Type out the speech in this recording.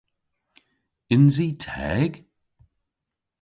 Yns i teg?